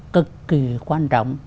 cực kỳ quan trọng